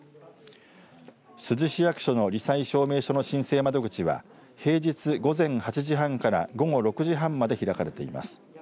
珠洲市役所のり災証明書の申請窓口は平日午前８時半から午後６時半まで開かれています。